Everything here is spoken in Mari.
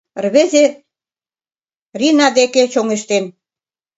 Рвезе Рина деке чоҥештен.